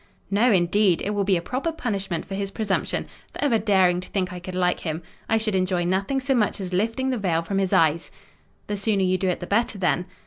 "No, indeed! It will be a proper punishment for his presumption—for ever daring to think I could like him. I should enjoy nothing so much as lifting the veil from his eyes." "The sooner you do it the better then."